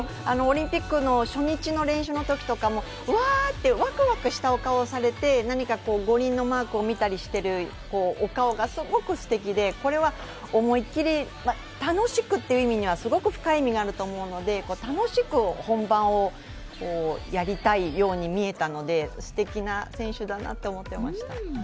オリンピックの初日の練習のときとかも、うわってワクワクしたお顔をされて五輪のマークを見たりしているお顔がすごくすてきでこれは思い切り、楽しくという意味にはすごく深い意味があると思うので、楽しく本番をやりたいように見えたのですてきな選手だなと思ってました。